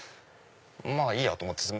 まぁいいやと思って。